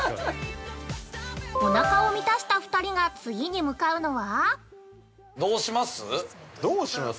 ◆おなかを満たした２人が次に向かうのは？